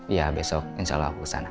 iya besok insya allah aku kesana